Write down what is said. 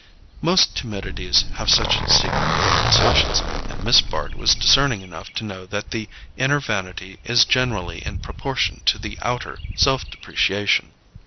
Most timidities have such secret compensations, and Miss Bart was discerning enough to know that the inner vanity is generally in proportion to the outer self depreciation.